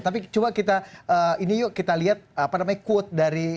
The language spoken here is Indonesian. tapi coba kita ini yuk kita lihat quote dari grace nathan